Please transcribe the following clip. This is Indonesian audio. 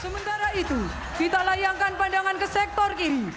sementara itu kita layangkan pandangan ke sektor kiri